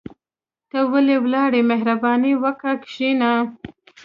ته ولي ولاړ يى مهرباني وکاه کشينه